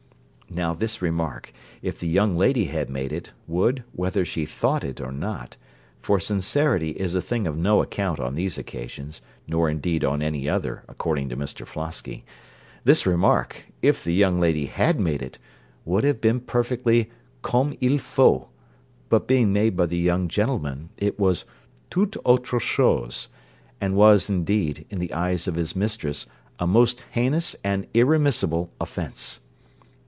Now, this remark, if the young lady had made it, would, whether she thought it or not for sincerity is a thing of no account on these occasions, nor indeed on any other, according to Mr Flosky this remark, if the young lady had made it, would have been perfectly comme il faut; but, being made by the young gentleman, it was toute autre chose, and was, indeed, in the eyes of his mistress, a most heinous and irremissible offence.